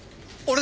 俺。